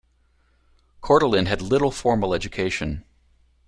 Kordelin had little formal education.